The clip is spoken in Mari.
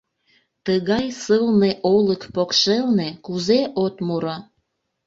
Тыгай сылне олык покшелне кузе от муро?